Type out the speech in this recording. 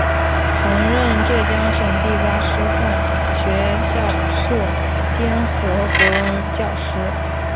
曾任浙江省第八师范学校舍监和国文教师。